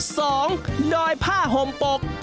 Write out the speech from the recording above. สองด้อยผ้าห่มปก